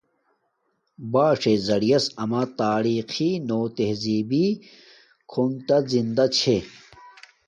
باݽ زیعس اما تاریخی نو تہزبی کھنوگ زندہ چھے